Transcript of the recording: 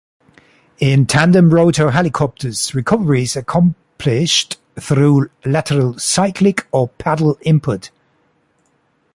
In tandem-rotor helicopters, recovery is accomplished through lateral cyclic or pedal input.